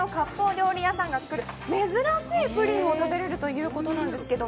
料理屋さんが作る珍しいプリンを食べられるということなんですけど。